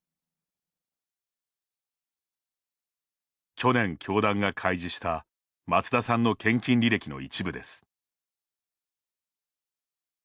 去年、教団が開示した松田さんの献金履歴の一部です。